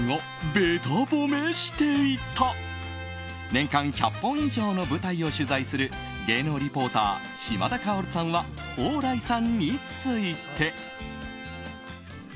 年間１００本以上の舞台を取材する芸能リポーター島田薫さんは蓬莱さんについて。